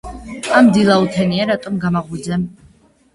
ამ დილაუთენია რატომ გამაღვიძე?